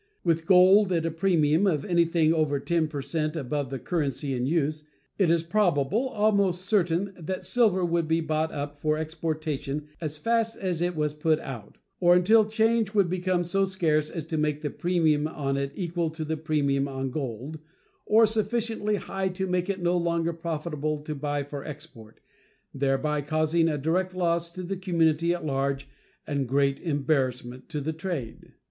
With gold at a premium of anything over 10 per cent above the currency in use, it is probable, almost certain, that silver would be bought up for exportation as fast as it was put out, or until change would become so scarce as to make the premium on it equal to the premium on gold, or sufficiently high to make it no longer profitable to buy for export, thereby causing a direct loss to the community at large and great embarrassment to trade.